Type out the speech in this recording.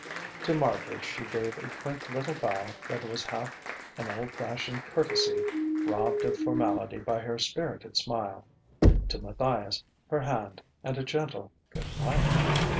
To Marbridge she gave a quaint little bow that was half an old fashioned courtesy, robbed of formality by her spirited smile: to Matthias her hand and a gentle "Good night!"